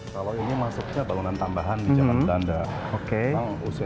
kalau ini masuknya bangunan tambahan di zaman belanda